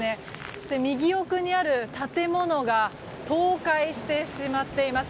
そして、右奥にある建物が倒壊してしまっています。